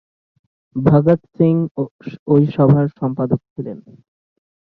ভগৎ সিং ওই সভার সম্পাদক ছিলেন।